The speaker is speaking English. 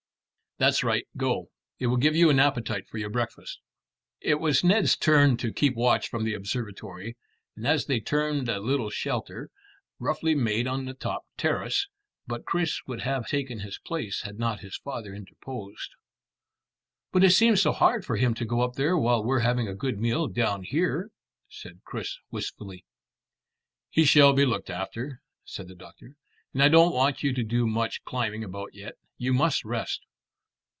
"That's right; go. It will give you an appetite for your breakfast." It was Ned's turn to keep watch from the observatory, as they termed a little shelter, roughly made on the top terrace; but Chris would have taken his place had not his father interposed. "But it seems so hard for him to go up there while we're having a good meal down here," said Chris wistfully. "He shall be looked after," said the doctor, "and I don't want you to do much climbing about yet. You must rest."